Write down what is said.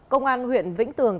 công an huyện vĩnh tường